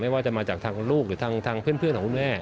ว่าจะมาจากทางลูกหรือทางเพื่อนของคุณแม่